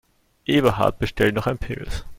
Eberhard bestellt noch ein Pils.